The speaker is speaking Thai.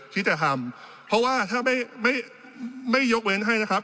ที่จะทำเพราะว่าถ้าไม่ไม่ยกเว้นให้นะครับ